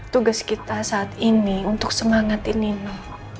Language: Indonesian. tugas kita saat ini untuk semangatin nino